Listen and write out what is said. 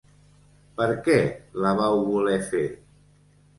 Per què la vau voler fer?